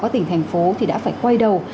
các tỉnh thành phố thì đã phải quay đầu